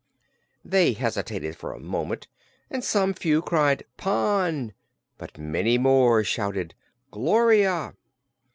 They hesitated for a moment, and some few cried: "Pon!" but many more shouted: "Gloria!"